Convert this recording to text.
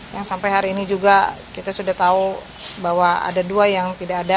yang sampai hari ini juga kita sudah tahu bahwa ada dua yang tidak ada